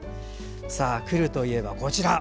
来るといえばこちら。